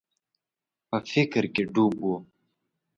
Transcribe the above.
په فکر کي ډوب و.